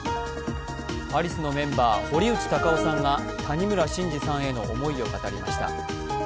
アリスのメンバー、堀内孝雄さんが谷村新司さんへの思いを語りました。